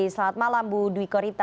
selamat malam bu duyko rita